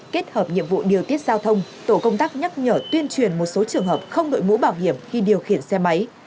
kết hợp nhiệm vụ điều tiết giao thông tổ công tác nhắc nhở tuyên truyền một số trường hợp không đội mũ bảo hiểm khi điều khiển xe máy